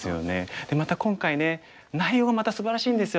でまた今回ね内容がまたすばらしいんですよ。